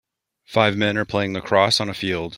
Five men are playing lacrosse on a field.